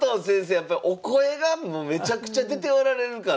やっぱりお声がもうめちゃくちゃ出ておられるから。